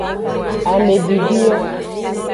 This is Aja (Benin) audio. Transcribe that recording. Ame bibi yo.